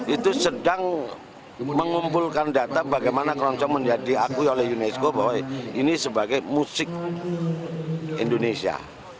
itu sedang mengumpulkan data bagaimana keroncong menjadi akui oleh unesco bahwa ini sebagai musik indonesia